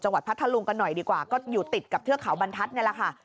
พัทธลุงกันหน่อยดีกว่าก็อยู่ติดกับเทือกเขาบรรทัศน์นี่แหละค่ะ